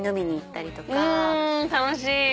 楽しい。